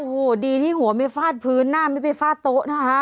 โอ้โหดีที่หัวไม่ฟาดพื้นหน้าไม่ไปฟาดโต๊ะนะคะ